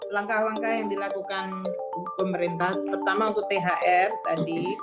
langkah langkah yang dilakukan pemerintah pertama untuk thr tadi